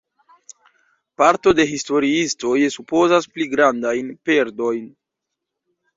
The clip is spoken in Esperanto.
Parto de historiistoj supozas pli grandajn perdojn.